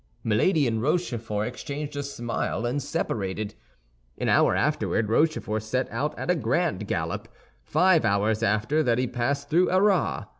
Milady and Rochefort exchanged a smile and separated. An hour afterward Rochefort set out at a grand gallop; five hours after that he passed through Arras.